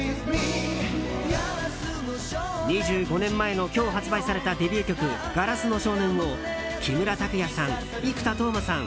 ２５年前の今日発売されたデビュー曲「硝子の少年」を木村拓哉さん、生田斗真さん